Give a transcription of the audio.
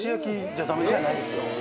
じゃないんですよ。